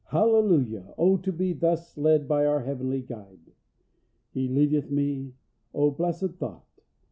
Hallelujah! Oh, to be thus led by our Heavenly Guide! "He leadeth me! Oh, blessed thought!